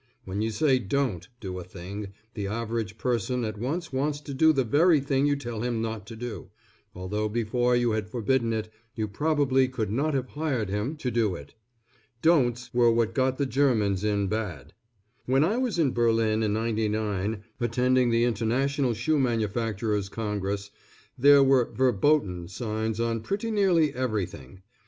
When you say "Don't" do a thing, the average person at once wants to do the very thing you tell him not to do, although before you had forbidden it, you probably could not have hired him to do it. "Don'ts" were what got the Germans in bad. When I was in Berlin in '99 attending the International Shoe Manufacturers' Congress, there were "Verboten" signs on pretty nearly everything.